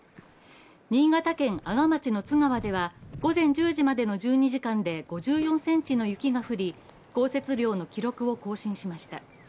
新潟県阿賀町の津川では午前１０時までの１２時間で５４ｃｍの雪が降り降雪量の記録を更新しました。